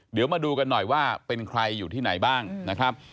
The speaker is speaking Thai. เดี๋ยวมาดูกันหน่อยว่าเป็นใครอยู่ที่ไหนบ้างนะครับ